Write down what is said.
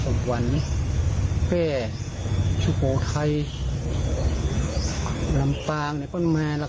พร้อนผันผู้ปรุงเขาเขาเอาไว้ไว้ไอ้แล้ว